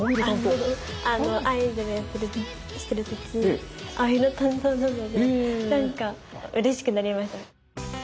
アイドルしてる時青色担当なのでなんかうれしくなりました。